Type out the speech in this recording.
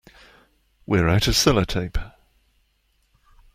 We're out of sellotape.